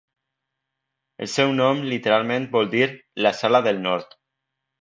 El seu nom literalment vol dir "la sala del nord".